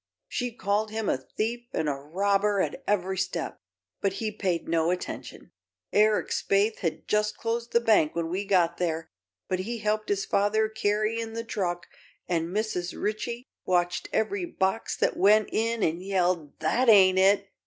She called him a thief and a robber at ev'ry step, but he paid no attention. Eric Spaythe had just closed the bank when we got there, but he helped his father carry in the truck, and Mrs. Ritchie watched every box that went in and yelled: 'That ain't it!